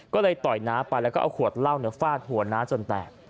ก็เลยต่อยน้าไปแล้วก็เอาขวดเหล้าฟาดหัวน้าจนแตก